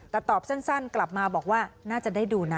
แต่ตอบสั้นกลับมาบอกว่าน่าจะได้ดูนะ